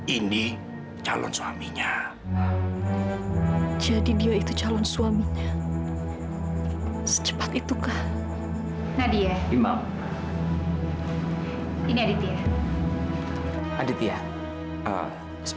ini formulirnya sudah lengkap